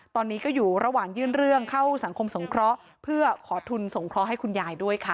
ตอนนี้ก็อยู่ระหว่างยื่นเรื่องเข้าสังคมสงเคราะห์เพื่อขอทุนสงเคราะห์ให้คุณยายด้วยค่ะ